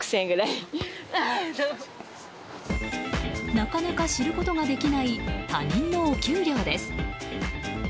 なかなか知ることができない他人のお給料です。